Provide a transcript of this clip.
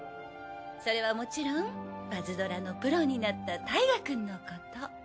それはもちろんパズドラのプロになったタイガくんのこと。